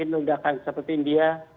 ini undang undang seperti india